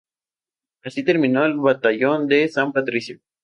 Así terminó el batallón de San Patricio.